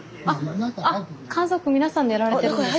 家族皆さんでやられてるんですか？